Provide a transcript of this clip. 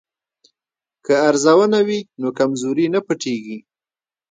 که ارزونه وي نو کمزوري نه پټیږي.